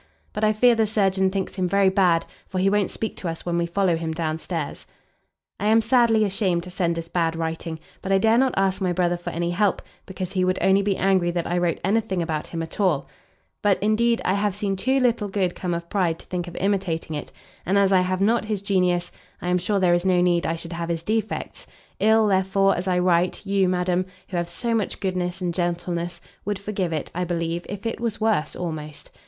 But I fear the surgeon thinks him very bad! for he won't speak to us when we follow him down stairs. I am sadly ashamed to send this bad writing, but I dare not ask my brother for any help, because he would only be angry that I wrote any thing about him at all; but indeed I have seen too little good come of pride to think of imitating it; and as I have not his genius, I am sure there is no need I should have his defects: ill, therefore, as I write, you, madam, who have so much goodness and gentleness, would forgive it, I believe, if it was worse, almost.